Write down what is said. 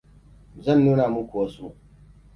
Zan nuna muku wasu.